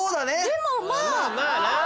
でもまぁ。